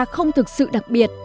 không thực sự đặc biệt